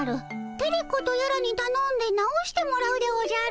テレ子とやらにたのんで直してもらうでおじゃる。